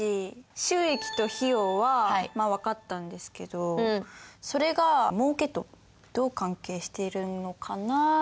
収益と費用は分かったんですけどそれがもうけとどう関係してるのかなみたいな。